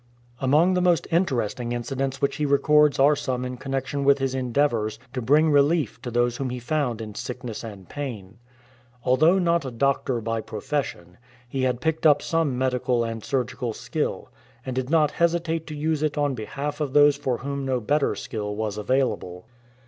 Among the most interesting incidents which he records are some in connexion with his endeavours to bring relief to those whom he found in sickness and pain. Although not a doctor by profession, he had picked up some medical and surgical skill, and did not hesitate to use it on behalf of those for whom no better skill was available.